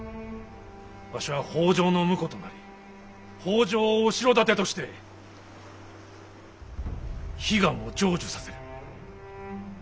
わしは北条の婿となり北条を後ろ盾として悲願を成就させる。